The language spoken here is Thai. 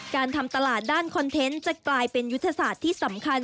การทำตลาดด้านคอนเทนต์จะกลายเป็นยุทธศาสตร์ที่สำคัญ